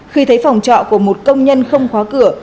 khi thấy phòng trọ của một công nhân không khóa cửa